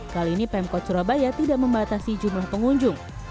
kali ini pemkot surabaya tidak membatasi jumlah pengunjung